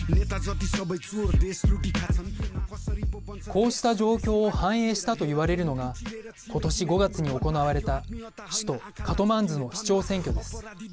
こうした状況を反映したと言われるのが今年５月に行われた首都カトマンズの市長選挙です。